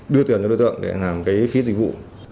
đưa tiền cho đối tượng để làm cái phí dịch vụ